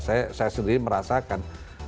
saya sendiri merasakan